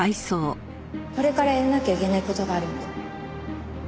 これからやらなきゃいけない事があるんで。